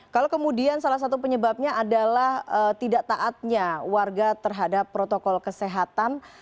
kalau kemudian salah satu penyebabnya adalah tidak taatnya warga terhadap protokol kesehatan